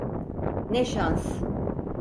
Ne şans!